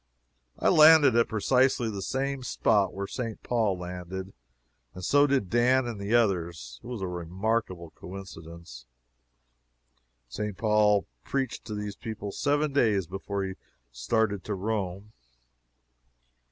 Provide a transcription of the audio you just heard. I landed at precisely the same spot where St. Paul landed, and so did Dan and the others. It was a remarkable coincidence. St. Paul preached to these people seven days before he started to Rome.